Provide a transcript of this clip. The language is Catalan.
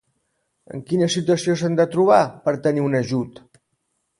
En quina situació s'han de trobar per tenir un ajut?